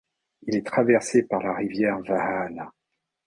Il est traversé par la rivière Vääna.